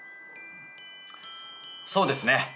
そうですね。